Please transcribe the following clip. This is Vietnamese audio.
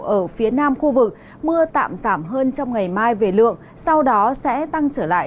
ở phía nam khu vực mưa tạm giảm hơn trong ngày mai về lượng sau đó sẽ tăng trở lại